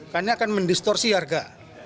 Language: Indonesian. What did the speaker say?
karena akan mendistorsi harga